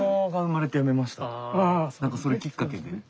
何かそれきっかけにね。